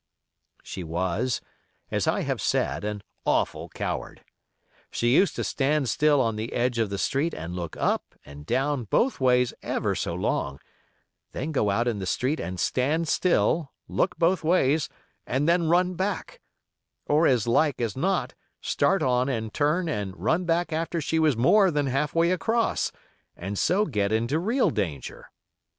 She was, as I have said, an awful coward. She used to stand still on the edge of the street and look up and down both ways ever so long, then go out in the street and stand still, look both ways and then run back; or as like as not start on and turn and run back after she was more than half way across, and so get into real danger.